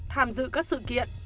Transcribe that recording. tham dự các sự kiện